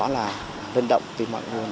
là lên động tìm mọi nguồn